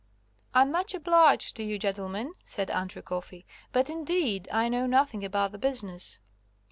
"I'm much obliged to you, gentlemen," said Andrew Coffey, "but indeed I know nothing about the business."